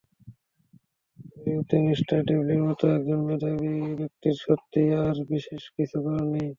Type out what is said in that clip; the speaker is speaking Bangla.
রিওতে মিঃ ডেভলিনের মতো একজন মেধাবী ব্যক্তির সত্যিই আর বিশেষ কিছু করার নেই।